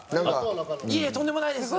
いえとんでもないです。